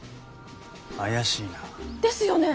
怪しいな。ですよね？